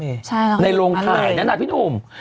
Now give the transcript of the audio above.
ใช่ค่ะในโรงถ่ายนั้นน่ะพี่หนุ่ม